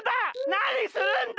なにするんだ！